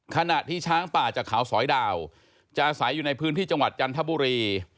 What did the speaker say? ขณะที่ช้างป่าจากเขาสอยดาวจะอาศัยอยู่ในพื้นที่จังหวัดจันทบุรี